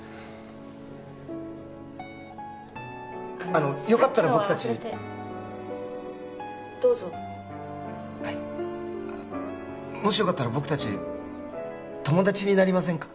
あのよかったら僕達あのさっきのは忘れてどうぞはいもしよかったら僕達友達になりませんか？